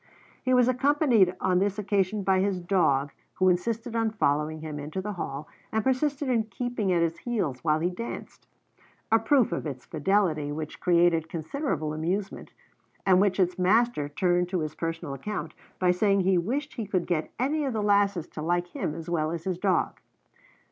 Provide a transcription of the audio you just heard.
He was accompanied on this occasion by his dog, who insisted on following him into the hall and persisted in keeping at his heels while he danced, a proof of its fidelity which created considerable amusement, and which its master turned to his personal account by saying he wished he could get any of the lasses to like him as well as his dog.